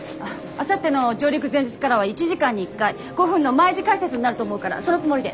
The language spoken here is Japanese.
あさっての上陸前日からは１時間に１回５分の毎時解説になると思うからそのつもりで。